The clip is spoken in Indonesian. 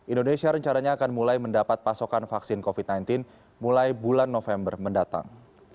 indonesia rencananya akan mulai mendapat pasokan vaksin covid sembilan belas mulai bulan november mendatang